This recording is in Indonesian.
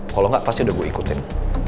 kalau enggak pasti udah gue ikutin